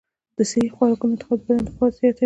د صحي خوراکونو انتخاب د بدن قوت زیاتوي.